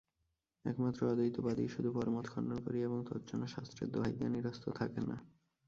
একমাত্র অদ্বৈতবাদীই শুধু পরমত খণ্ডন করিয়া এবং তজ্জন্য শাস্ত্রের দোহাই দিয়া নিরস্ত থাকেন না।